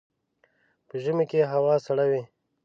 په ژمي کي هوا سړه وي.